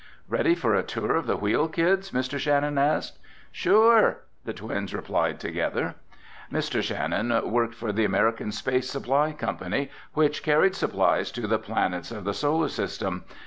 "Ready for a tour of the Wheel, kids?" Mr. Shannon asked. "Sure!" the twins replied together. Mr. Shannon worked for the American Space Supply Company which carried supplies to the planets of the Solar System.